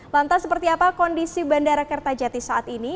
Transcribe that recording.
lantas seperti apa kondisi bandara kertajati saat ini